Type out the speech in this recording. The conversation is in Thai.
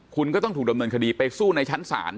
คุณก็ต้องถูกดำเนินคดีไปสู้ในชั้นศาล